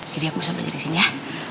jadi aku bisa belajar disini ya